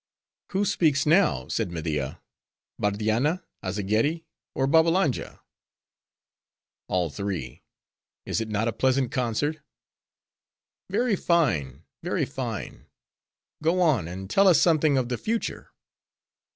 "Who speaks now?" said Media, "Bardianna, Azzageddi, or Babbalanja?" "All three: is it not a pleasant concert?" "Very fine: very fine.—Go on; and tell us something of the future."